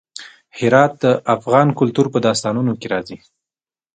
هرات د افغان کلتور په داستانونو کې راځي.